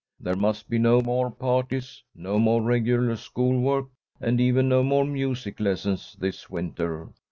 There must be no more parties, no more regular school work, and even no more music lessons this winter.